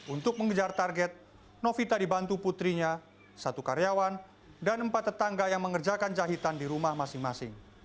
untuk mengejar target novita dibantu putrinya satu karyawan dan empat tetangga yang mengerjakan jahitan di rumah masing masing